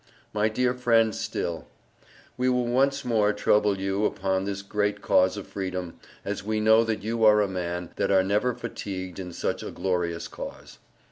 My Dear Friend Still: We will once more truble you opon this great cause of freedom, as we know that you are a man, that are never fatuged in Such a glorious cause.